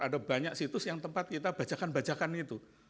ada banyak situs yang tempat kita bajakan bajakan itu